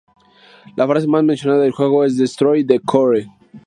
La frase más mencionada del juego es "Destroy the core!